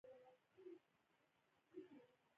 ایا ستاسو برخه به پوره نه وي؟